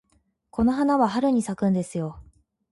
この花は春に咲くんですよ。